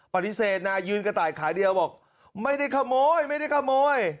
ปฏิเสธนะยืนกระต่ายขาเดียวบอกไม่ได้ขโมยไม่ได้ขโมย